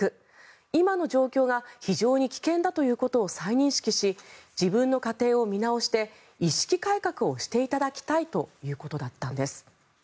今の状況が非常に危険だということを再認識し自分の家庭を見直して意識改革をしていただきたいということだったんです。